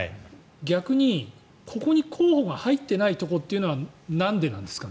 逆に、ここに候補が入ってないところというのはなんでなんですか？